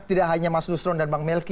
tidak hanya mas nusron dan bang melki